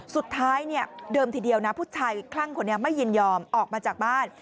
เดิมทีเดียวนะผู้ชายคลั่งคนนี้ไม่ยินยอมออกมาจากบ้าน